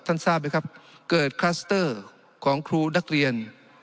ทราบไหมครับเกิดคลัสเตอร์ของครูนักเรียน